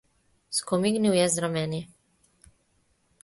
Skomignil je z rameni.